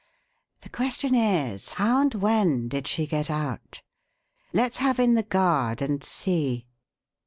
The question is, how and when did she get out? Let's have in the guard and see."